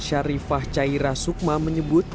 syarifah caira sukma menyebut